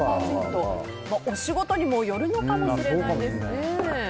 お仕事にもよるのかもしれないですね。